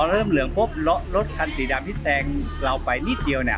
เก่าเริ่มเหลืองครบเบอร์รถคันสีดำที่แต่งเราไปนิดเดียวนี่